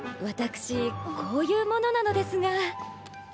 私こういうものなのですが。